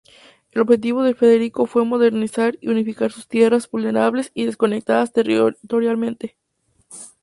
El objetivo de Federico fue modernizar y unificar sus tierras, vulnerables y desconectadas territorialmente.